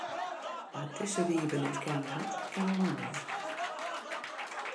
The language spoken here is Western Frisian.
Wa’t dizze Wybe net kennen hat, ken wol in oare.